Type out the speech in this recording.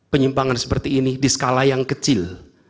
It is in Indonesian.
penyimpangan seperti ini di skala yang kecil